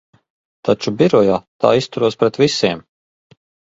Taču birojā tā izturos pret visiem.